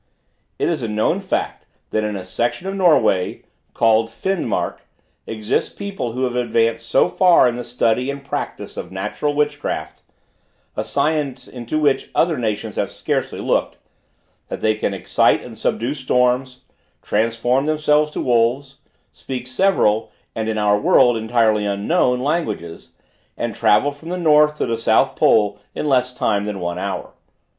It is a known fact, that in a section of Norway, called Finnmark, exist people who have advanced so far in the study and practice of natural witchcraft, (a science into which other nations have scarcely looked,) that they can excite and subdue storms; transform themselves to wolves; speak several, and in our world entirely unknown, languages; and travel from the north to the south pole in less time than one hour.